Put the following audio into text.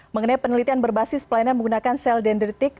mengenai penelitian berbasis pelayanan menggunakan sel dendritik